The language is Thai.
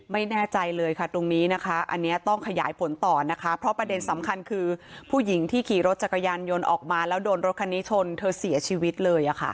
ไม่แน่ใจเลยค่ะตรงนี้นะคะอันนี้ต้องขยายผลต่อนะคะเพราะประเด็นสำคัญคือผู้หญิงที่ขี่รถจักรยานยนต์ออกมาแล้วโดนรถคันนี้ชนเธอเสียชีวิตเลย